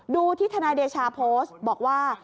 ดูที่ทนายเดชาโพสต์บอกว่า